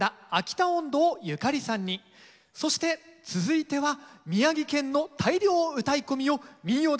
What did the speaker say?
そして続いては宮城県の「大漁唄い込み」を「民謡魂」